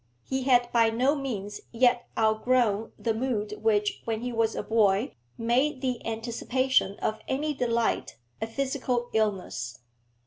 He had by no means yet outgrown the mood which, when he was a boy, made the anticipation of any delight a physical illness.